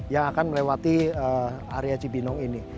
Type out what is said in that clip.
yang akan melewati area cibinong ini